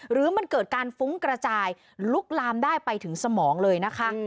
หรือมันเกิดการฟุ้งกระจายลุกลามได้ไปถึงสมองเลยนะคะ